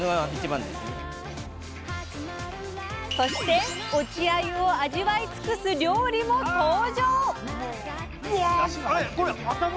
そして落ちあゆを味わいつくす料理も登場！